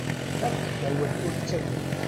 Fakk-d awal ur ttagad.